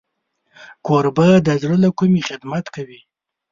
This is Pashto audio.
کوربه د زړه له کومي خدمت کوي.